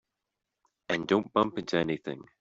And don't bump into anything.